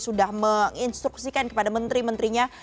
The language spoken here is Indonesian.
sudah menginstruksikan kepada menteri menterinya